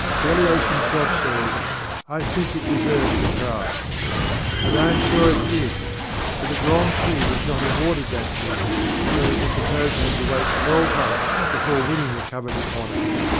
Berlioz himself says: "I think it deserved the prize." And I am sure it did; but the Grand Prix was not awarded that year, so that the composer had to wait twelve months before winning the coveted honour.